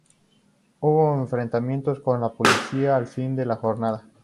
Hubo enfrentamientos con la policía al fin de la jornada.